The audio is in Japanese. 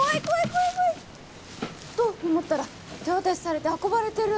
怖い怖い！と思ったら手渡しされて運ばれてる。